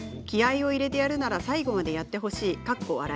気合いを入れてやるなら最後までやってほしい。